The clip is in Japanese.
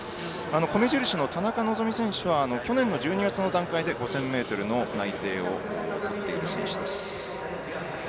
米印の田中希実選手が去年の１２月の段階で５０００ｍの内定を取っています。